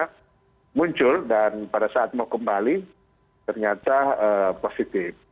karena muncul dan pada saat mau kembali ternyata positif